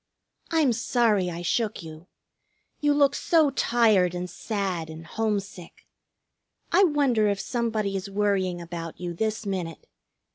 "I'm sorry I shook you. You look so tired and sad and homesick! I wonder if somebody is worrying about you this minute.